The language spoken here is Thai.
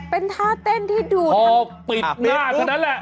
เป็นท่าเต้นที่ดูพอปิดหน้าเท่านั้นแหละ